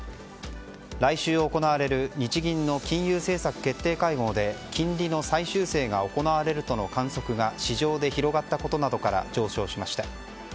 来週行われる日銀の金融政策決定会合で金利の再修正が行われるとの観測が市場で広がったことなどから上昇しました。